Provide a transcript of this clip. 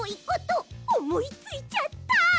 ことおもいついちゃった！